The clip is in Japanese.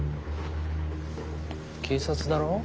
警察だろ？